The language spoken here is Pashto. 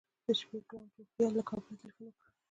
د شپې ګران روهیال له کابله تیلفون وکړ.